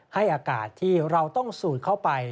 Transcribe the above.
ให้อากาศที่เราต้องสูดเข้าไป